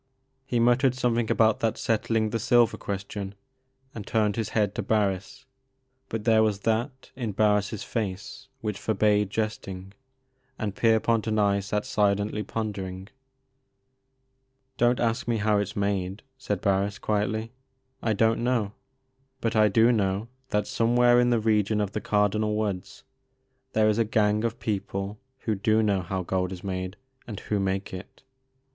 He muttered something about that settling the silver question, and turned his head to Barris, but there was that in Barris' face which forbade jesting, and Pier pont and I sat silently pondering. Don't ask me how it 's made," said Barris, quietly ;I don't know. But I do know that somewhere in the region of the Cardinal Woods there is a gang of people who do know how gold is made, and who make it.